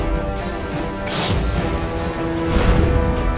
ya ya makasih